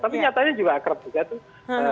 tapi nyatanya juga akrab juga tuh